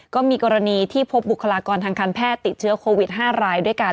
ก็มีกรณีที่พบบุคลากรทางการแพทย์ติดเชื้อโควิด๕รายด้วยกัน